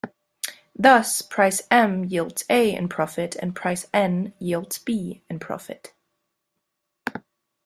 Thus price M yields A in profit and price N yields B in profit.